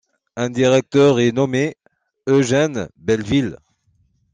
Un directeur est nommé, Eugène Belville.